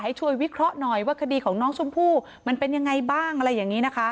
ให้ช่วยวิเคราะห์หน่อยว่าคดีของน้องชมพู่มันเป็นยังไงบ้างอะไรอย่างนี้นะคะ